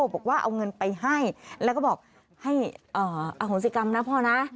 บอกว่าเอาเงินไปให้แล้วก็บอกให้อโหสิกรรมนะพ่อนะ